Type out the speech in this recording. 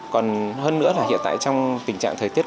còn hơn nữa là hiện tại trong tình trạng thời tiết